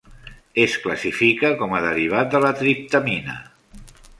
Es classifica com a derivat de la triptamina.